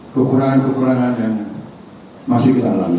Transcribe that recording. kekurangan kekurangan yang masih kita alami